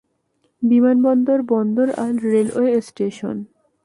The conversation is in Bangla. বিমানবন্দর, বন্দর আর রেলওয়ে স্টেশন।